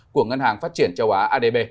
của ngân hàng phát triển châu á adb